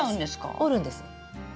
折るんです。